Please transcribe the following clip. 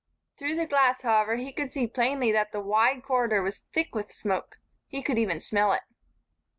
Through the glass, however, he could plainly see that the wide corridor was thick with smoke. He could even smell it.